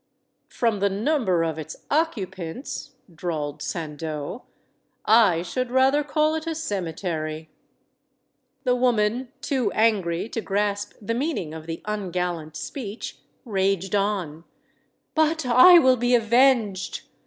"From the number of its occupants," drawled San deau, "I should rather call it a cemetery. The woman, too angry to grasp the meaning of the ungallant speech, raged on: "But I will be avenged.